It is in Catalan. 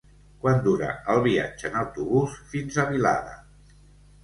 Quant dura el viatge en autobús fins a Vilada?